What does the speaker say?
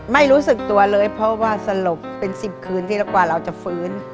ไม่รู้สึกตัวเลยเพราะว่าสลบเป็น๑๐คืนทีแล้วกว่าเราจะฟื้น